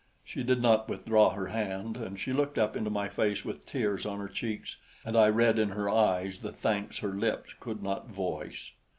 She did not withdraw her hand, and she looked up into my face with tears on her cheeks and I read in her eyes the thanks her lips could not voice.